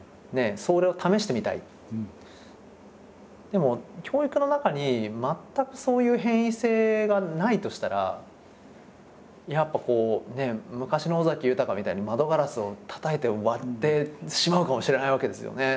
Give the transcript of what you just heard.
でも教育の中に全くそういう変異性がないとしたらやっぱこうね昔の尾崎豊みたいに窓ガラスをたたいて割ってしまうかもしれないわけですよね。